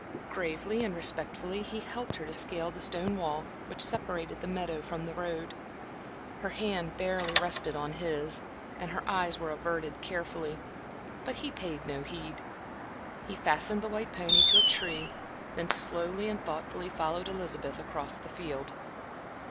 Gravely and respectfully he helped her to scale the stone wall, which separated the meadow from the road. Her hand barely rested on his, and her eyes were averted carefully, but he paid no heed. He fastened the white pony to a tree, then slowly and thoughtfully followed Elizabeth across the field.